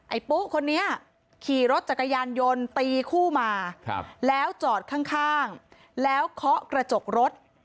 ปุ๊คนนี้ขี่รถจักรยานยนต์ตีคู่มาแล้วจอดข้างแล้วเคาะกระจกรถ